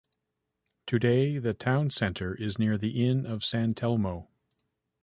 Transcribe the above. Today the town centre is near the Inn of San Telmo.